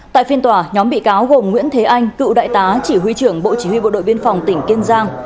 tại phiên tòa nhóm bị cáo gồm nguyễn thế anh cựu đại tá chỉ huy trưởng bộ chỉ huy bộ đội biên phòng tỉnh kiên giang